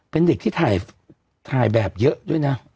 เป็นเด็กที่ถ่ายแบบเยอะด้วยนะ